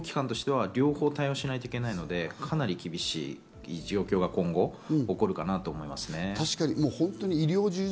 医療機関としては両方対応しないといけないので、かなり厳しい状況が今後、起こるかなと思いますね。